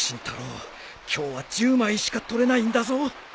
今日は１０枚しか撮れないんだぞ